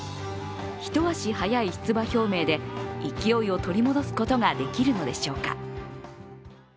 一足早い出馬表明で勢いを取り戻すことができるのでしょうか。